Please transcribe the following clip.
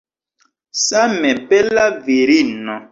Same bela virino.